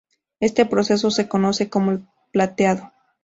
Este proceso se conoce como plateado.